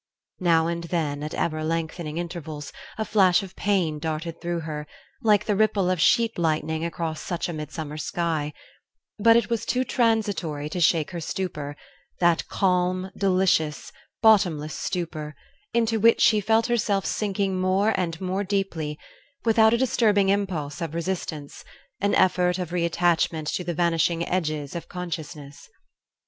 Now and then, at ever lengthening intervals, a flash of pain darted through her, like the ripple of sheet lightning across such a midsummer sky; but it was too transitory to shake her stupor, that calm, delicious, bottomless stupor into which she felt herself sinking more and more deeply, without a disturbing impulse of resistance, an effort of reattachment to the vanishing edges of consciousness.